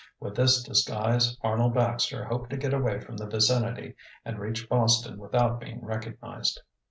With this disguise Arnold Baxter hoped to get away from the vicinity and reach Boston without being recognized.